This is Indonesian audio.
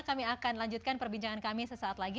kami akan lanjutkan perbincangan kami sesaat lagi